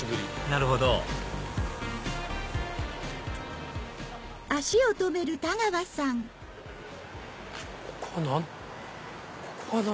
なるほどここは何？